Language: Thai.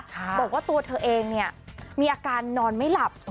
บอกว่าตัวเธอเองเนี่ยมีอาการนอนไม่หลับ